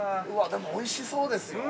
でも、おいしそうですよ。